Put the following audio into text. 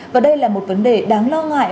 và đây là một vấn đề đáng lo ngại